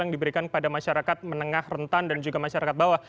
yang diberikan kepada masyarakat menengah rentan dan juga masyarakat bawah